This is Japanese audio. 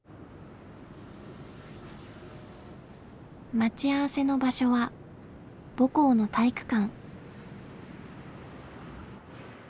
待ち合わせの場所は母校の体育館。